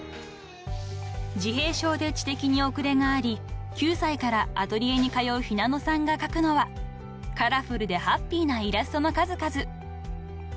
［自閉症で知的に遅れがあり９歳からアトリエに通うひなのさんが描くのはカラフルでハッピーなイラストの数々］